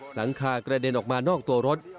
หลังคากระเด็นออกมานอกตัวรถ